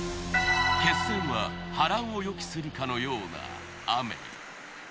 決戦は波乱を予期するかのような雨。